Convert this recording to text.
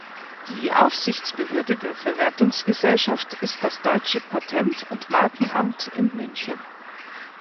Die Aufsichtsbehörde der Verwertungsgesellschaft ist das Deutsche Patent- und Markenamt in München.